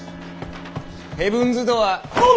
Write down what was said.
ヘブンズ・ドアー。